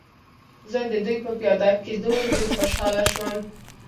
زه د دوی په پیاده کېدو ډېر خوشحاله شوم.